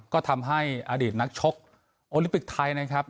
ก็ทำให้อดีตนักชกโอลิมปิกไทยนะครับ